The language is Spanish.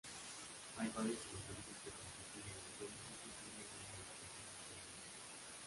Hay varios elementos que constituyen el tiempo y clima de una ubicación determinada.